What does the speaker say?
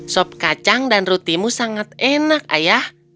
sop kacang dan rotimu sangat enak ayah